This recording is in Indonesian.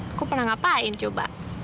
aku pernah ngapain coba